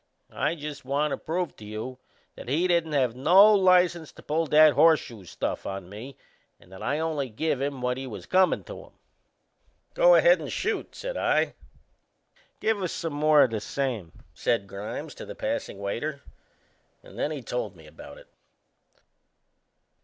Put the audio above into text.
I just want to prove to you that he didn't have no license to pull that Horseshoes stuff on me and that I only give him what was comin' to him." "Go ahead and shoot," said I. "Give us some more o' the same," said Grimes to the passing waiter. And then he told me about it.